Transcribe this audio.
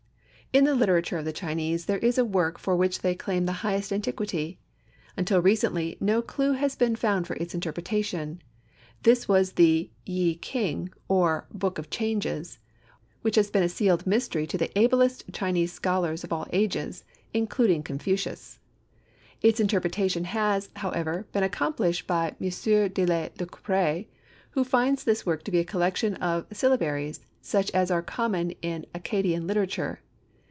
In the literature of the Chinese there is a work for which they claim the highest antiquity. Until recently no clew had been found for its interpretation. This was the "Yih King," or "Book of Changes," which has been a sealed mystery to the ablest Chinese scholars of all ages, including Confucius. Its interpretation has, however, been accomplished by M. de Lacouperie who finds this work to be a collection of syllabaries such as are common in Accadian literature.